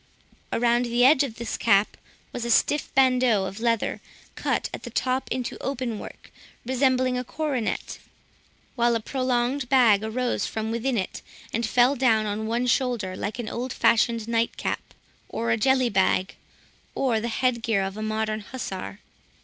Around the edge of this cap was a stiff bandeau of leather, cut at the top into open work, resembling a coronet, while a prolonged bag arose from within it, and fell down on one shoulder like an old fashioned nightcap, or a jelly bag, or the head gear of a modern hussar.